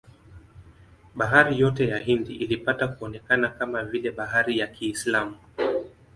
Bahari yote ya Hindi ilipata kuonekana kama vile bahari ya Kiislamu.